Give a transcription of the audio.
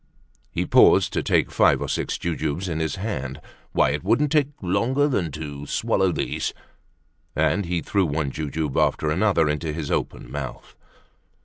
He paused to take five or six jujubes in his hand. "Why, it wouldn't take longer than to swallow these." And he threw one jujube after another into his open mouth.